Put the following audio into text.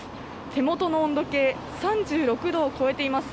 手元の温度計３６度を超えています。